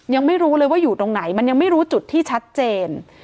ยังไม่รู้เลยว่าอยู่ตรงไหนมันยังไม่รู้จุดที่ชัดเจน